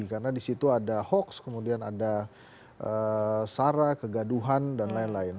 karena di situ ada hoaks kemudian ada sara kegaduhan dan lain lain